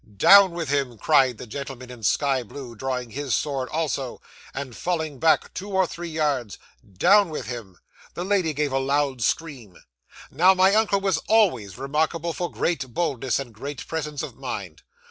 '"Down with him!" cried the gentleman in sky blue, drawing his sword also, and falling back two or three yards. "Down with him!" The lady gave a loud scream. 'Now, my uncle was always remarkable for great boldness, and great presence of mind.